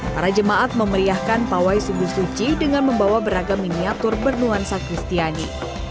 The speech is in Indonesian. para jemaat memeriahkan pawai subuh suci dengan membawa beragam miniatur bernuansa kristiani